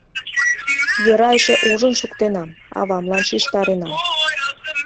Йӧра эше ужын шуктенам, авамлан шижтаренам.